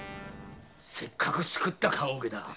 せっかく作った棺オケだ。